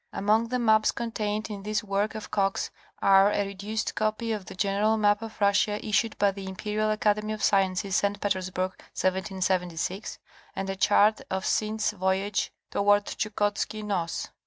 Among the maps contained in this work of Coxe's are a reduced copy of the general map of Russia issued by the Imperial Academy of Sciences, St. Petersburg, 1776, and a chart of Synd's Voyage toward Chukotski Noss.